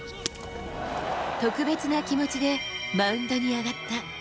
特別な気持ちでマウンドに上がった。